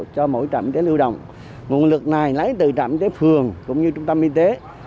cho mỗi trạm y tế lưu động nguồn lực này lấy từ trạm đến phường cũng như trung tâm y tế